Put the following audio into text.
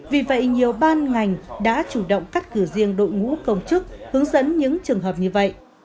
vì vậy nhiều ban ngành đã chủ động cắt cử riêng đội ngũ công chức hướng dẫn những trường hợp như vậy